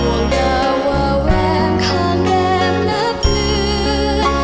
ห่วงดาววแหวมข้างแหลมนับเหลือ